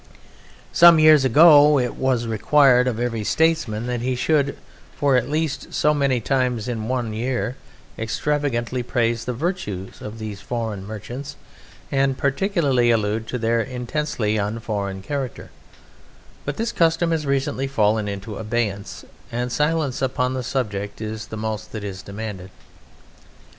Some years ago it was required of every statesman that he should, for at least so many times in any one year, extravagantly praise the virtues of these foreign merchants, and particularly allude to their intensely unforeign character; but this custom has recently fallen into abeyance, and silence upon the subject is the most that is demanded.